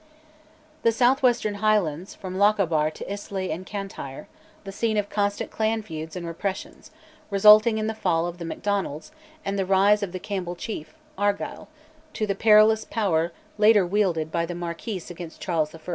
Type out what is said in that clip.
The south western Highlands, from Lochaber to Islay and Cantyre, were, in his reign, the scene of constant clan feuds and repressions, resulting in the fall of the Macdonalds, and the rise of the Campbell chief, Argyll, to the perilous power later wielded by the Marquis against Charles I.